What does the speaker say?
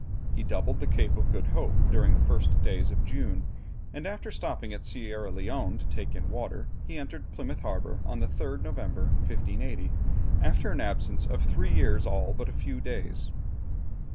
He doubled the Cape of Good Hope during the first days of June, and after stopping at Sierra Leone to take in water, he entered Plymouth harbour on the 3rd November, 1580, after an absence of three years all but a few days.